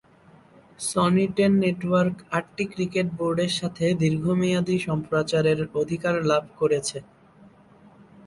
Sony Ten network আটটি cricket বোর্ডের সাথে দীর্ঘমেয়াদী সম্প্রচারের অধিকার লাভ করেছে।